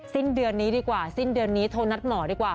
สิ้นเดือนนี้ดีกว่าสิ้นเดือนนี้โทรนัดหมอดีกว่า